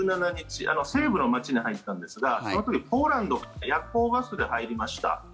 西部の街に入ったんですがその時はポーランドから夜行バスで入りました。